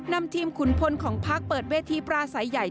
นำทีมขุนพลของพักเปิดเวทีปราศัยใหญ่